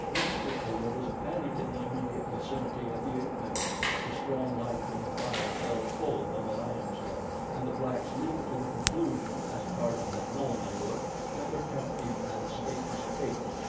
Instantly there was a panic in the immediate vicinity of the ape man. The strong light from the fire fell full upon the lion head and the blacks leaped to the conclusion, as Tarzan had known they would, that their captive had escaped his cage.